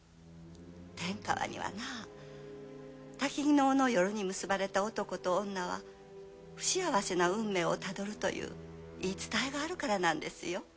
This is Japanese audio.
天川にはな薪能の夜に結ばれた男と女は不幸せな運命をたどるという言い伝えがあるからなんですよ。